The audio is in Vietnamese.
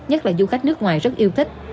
nhất là du khách nước ngoài rất yêu thích